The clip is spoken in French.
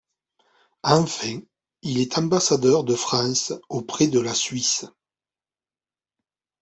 Enfin, il est ambassadeur de France auprès de la Suisse.